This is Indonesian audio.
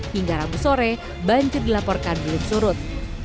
hingga ramu sore banjir dilaporkan dilip surut